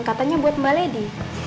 katanya buat mbak lady